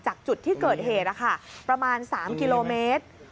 จุดที่เกิดเหตุประมาณ๓กิโลเมตร